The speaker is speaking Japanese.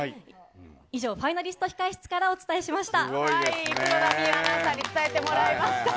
以上、ファイナリスト控え室からお伝えしました。